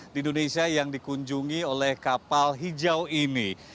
di indonesia yang dikunjungi oleh kapal hijau ini